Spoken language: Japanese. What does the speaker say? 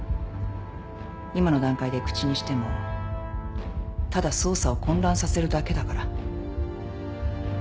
今の段階で口にしてもただ捜査を混乱させるだけだから。